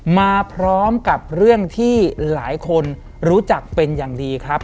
มาพร้อมกับเรื่องที่หลายคนรู้จักเป็นอย่างดีครับ